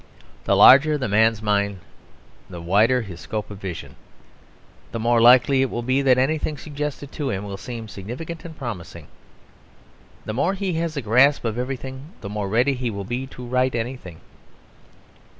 The larger the man's mind, the wider his scope of vision, the more likely it will be that anything suggested to him will seem significant and promising; the more he has a grasp of everything the more ready he will be to write anything.